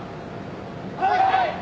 はい。